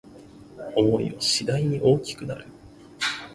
想いは次第に大きくなる